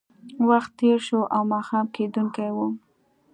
وخت تېر شو او ماښام کېدونکی و